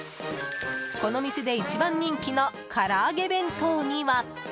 この店で一番人気の唐揚げ弁当には。